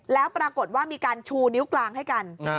แล้วปรากฏว่ามีการชูนิ้วกลางให้กัน